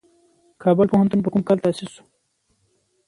کابل پوهنتون په کوم کال تاسیس شو؟